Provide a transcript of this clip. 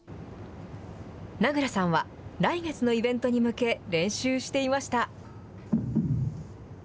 名倉さんは来月のイベントに向け、練習していました。